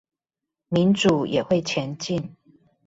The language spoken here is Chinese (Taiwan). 民主也會前進